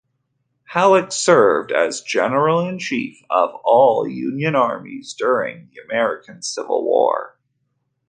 Halleck served as General-in-Chief of all Union armies during the American Civil War.